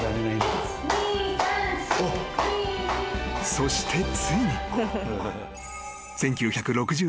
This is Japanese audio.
［そしてついに］